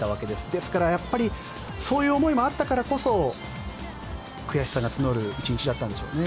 ですから、やっぱりそういう思いもあったからこそ悔しさが募る１日だったんでしょうね。